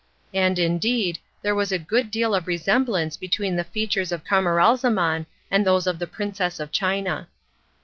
And, indeed, there was a good deal of resemblance between the features of Camaralzaman and those of the Princess of China.